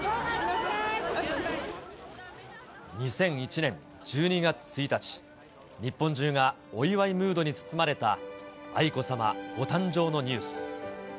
２００１年１２月１日、日本中がお祝いムードに包まれた、愛子さまご誕生のニュース。